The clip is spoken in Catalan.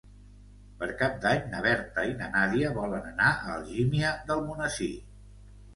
Per Cap d'Any na Berta i na Nàdia volen anar a Algímia d'Almonesir.